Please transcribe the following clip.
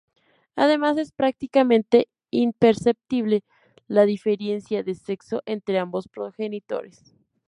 Además es prácticamente imperceptible la diferencia de sexo entre ambos progenitores.